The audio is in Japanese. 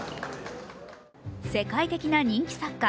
世界的な人気作家